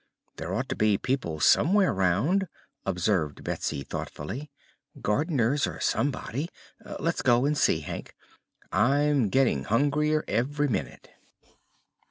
"There ought to be people somewhere 'round," observed Betsy thoughtfully; "gardeners, or somebody. Let's go and see, Hank. I'm getting hungrier ev'ry minute."